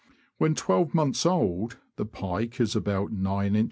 When twelve months old, the pike is about gin.